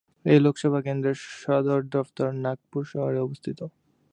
এই লোকসভা কেন্দ্রের সদর দফতর নাগপুর শহরে অবস্থিত।